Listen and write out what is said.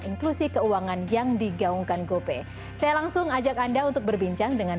inklusi keuangan yang digaungkan gope saya langsung ajak anda untuk berbincang dengan